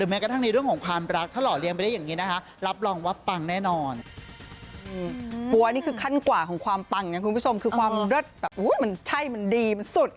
แล้วกว่าของความต่างเนี่ยคุณผู้ชมคือความรัฐแบบมันใช่มันดีมันสุด